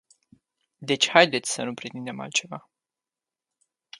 Deci haideți să nu pretindem altceva.